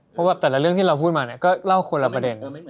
เพราะว่าแต่ละเรื่องที่เราพูดมาเนี่ยก็เล่าคนละประเด็น